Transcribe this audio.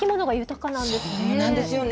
そうなんですよね。